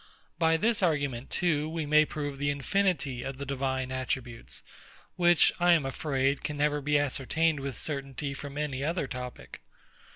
By this argument, too, we may prove the infinity of the Divine attributes, which, I am afraid, can never be ascertained with certainty from any other topic.